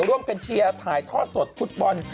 ร่วมกันเชียร์ถ่ายทอดสดฟุตบอล